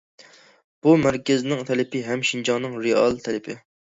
بۇ، مەركەزنىڭ تەلىپى ھەم شىنجاڭنىڭ رېئال تەلىپى.